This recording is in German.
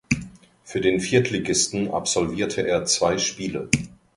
Für den Viertligisten absolvierte er zwei Spiele.